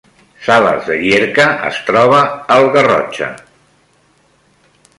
Sales de Llierca es troba al Garrotxa